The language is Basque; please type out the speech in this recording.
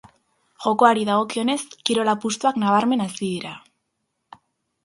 Jokoari dagokionez, kirol apustuak nabarmen hazi dira.